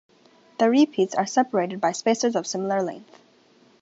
The repeats are separated by spacers of similar length.